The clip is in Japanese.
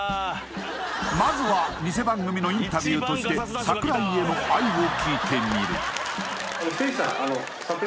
まずはニセ番組のインタビューとして櫻井への愛を聞いてみる